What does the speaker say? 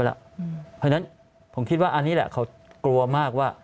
เพราะฉะนั้นผมคิดว่าอันนี้แหละเขากลัวมากว่า